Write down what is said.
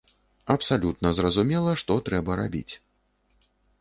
Абсалютна зразумела, што трэба рабіць.